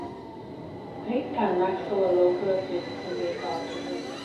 Ritkán megszólaló költők közé tartozott.